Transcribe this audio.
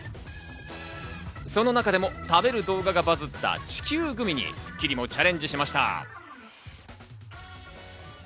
その中でも食べる動画がバズった地球グミに『スッキリ』もチャレンジしました。